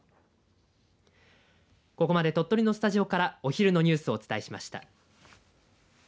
ここまで鳥取のスタジオからお昼のニュースをお伝えしました。